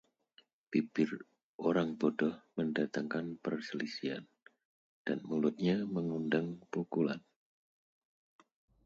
Bibir orang bodoh mendatangkan perselisihan, dan mulutnya mengundang pukulan.